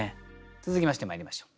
続きましてまいりましょう。